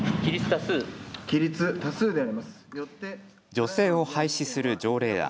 助成を廃止する条例案。